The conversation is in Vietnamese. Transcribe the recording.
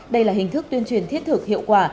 đây là hình thức tuyên truyền thiết thực hiệu quả